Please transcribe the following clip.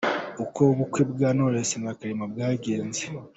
Uko ubukwe bwa Knowless na Clement bwagenze.